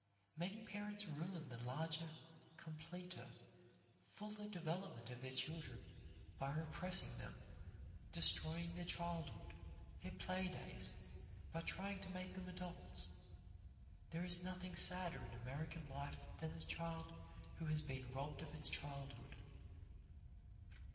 Many parents ruin the larger, completer, fuller development of their children by repressing them, destroying their childhood, their play days, by trying to make them adults. There is nothing sadder in American life than the child who has been robbed of its childhood.